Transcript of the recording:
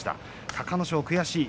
隆の勝、悔しい。